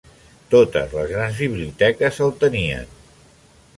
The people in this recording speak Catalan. Totes les grans biblioteques el tenien.